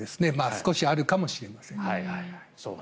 少しあるかもしれません。